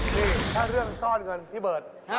นี่ถ้าเรื่องซ่อนเงินพี่เบิร์ต